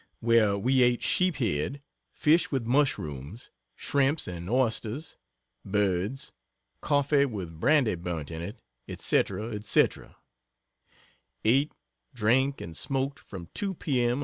where we ate sheep head, fish with mushrooms, shrimps and oysters birds coffee with brandy burnt in it, &c &c, ate, drank and smoked, from 2 p.m.